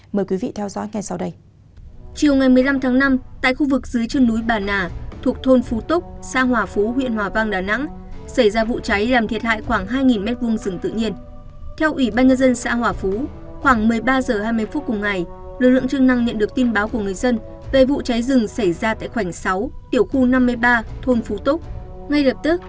mời quý vị theo dõi ngay sau đây